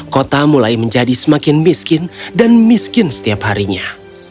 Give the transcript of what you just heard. kota mulai menjadi semakin miskin dan miskin setiap harinya